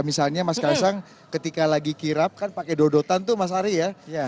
misalnya mas kaisang ketika lagi kirap kan pakai dodotan tuh mas ari ya